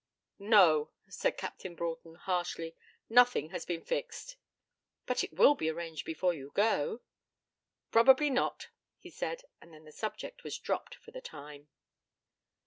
'No,' said Captain Broughton harshly; 'nothing has been fixed.' 'But it will be arranged before you go.' 'Probably not,' he said; and then the subject was dropped for the time.